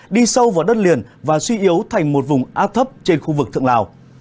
đi sâu vào đất liền và suy yếu thành một vùng áp thấp trên khu vực thượng lào